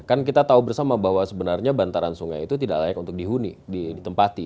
kan kita tahu bersama bahwa sebenarnya bantaran sungai itu tidak layak untuk dihuni ditempati